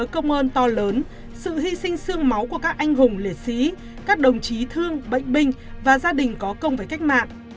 việc tạo ra một tháng công ơn to lớn sự hy sinh sương máu của các anh hùng liệt sý các đồng chí thương bệnh binh và gia đình có công về cách mạng